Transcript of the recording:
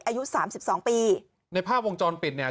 อายุสามสิบสองปีในภาพวงจรปิดเนี่ย